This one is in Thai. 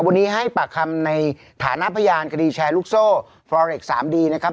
วันนี้ให้ปากคำในฐานะพยานคดีแชร์ลูกโซ่ฟรอเล็กสามดีนะครับ